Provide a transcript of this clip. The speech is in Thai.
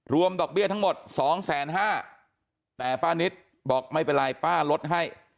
รวมดอกเบี้ยทั้งหมด๒๐๕๐๐๐บาทแต่ป้านิตบอกไม่เป็นไรป้าลดให้